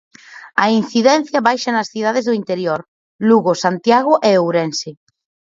A incidencia baixa nas cidades do interior: Lugo, Santiago e Ourense.